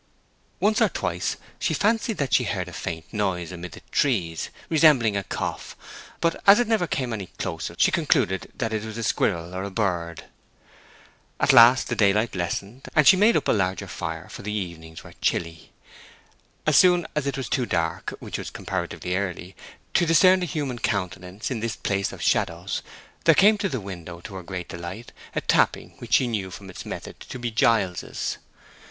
Once or twice she fancied that she heard a faint noise amid the trees, resembling a cough; but as it never came any nearer she concluded that it was a squirrel or a bird. At last the daylight lessened, and she made up a larger fire for the evenings were chilly. As soon as it was too dark—which was comparatively early—to discern the human countenance in this place of shadows, there came to the window to her great delight, a tapping which she knew from its method to be Giles's.